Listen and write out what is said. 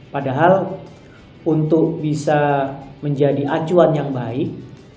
padahal untuk bisa menjadi acuan yang baik